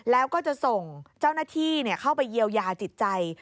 แล้วก็จะส่งเจ้าหน้าที่เข้าไปเยียวยาจิตใจ